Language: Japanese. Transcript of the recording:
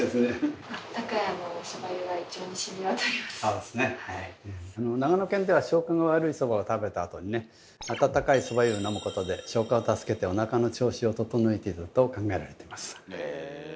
あ長野県では消化が悪いそばを食べたあとにね温かいそば湯を飲むことで消化を助けておなかの調子を整えていたと考えられてます。